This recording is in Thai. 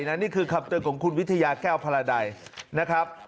นี่คือคำเตือนของคุณวิทยาแก้วพลาดัยนะครับ